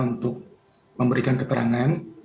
untuk memberikan keterangan